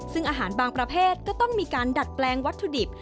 ซึ่งอาหารบางประเภทก็ต้องมีการดัดแปลงวัตถุดิบ